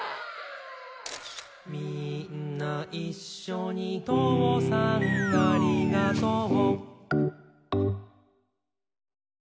「みーんないっしょにとうさんありがとう」